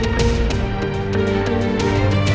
sarah tau veel itu